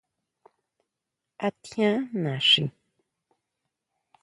¿A tjián naxi?